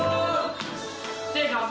失礼します